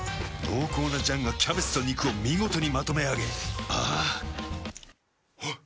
濃厚な醤がキャベツと肉を見事にまとめあげあぁあっ。